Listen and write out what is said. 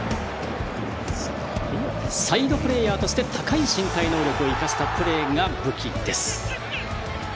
サイドプレーヤーとして高い身体能力を生かしたプレーが武器です。